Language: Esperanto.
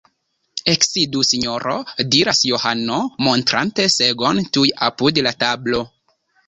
Eksidu sinjoro, diras Johano, montrante segon tuj apud la tablo.